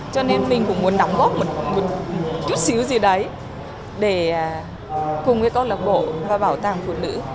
cho nên mình cũng muốn đóng góp một chút xíu gì đấy để cùng với câu lạc bộ và bảo tàng phụ nữ